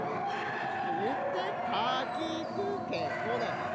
じゃあ、言って、かきくけこだから。